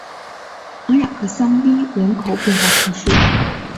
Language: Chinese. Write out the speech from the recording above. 昂雅克香槟人口变化图示